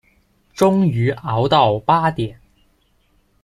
终于熬到八点